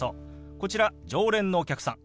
こちら常連のお客さん。